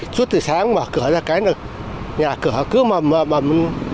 suốt từ sáng mở cửa ra cái nhà cửa cứ mầm